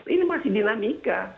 ini masih dinamika